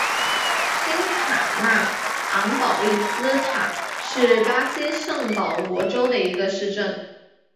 新卡纳昂保利斯塔是巴西圣保罗州的一个市镇。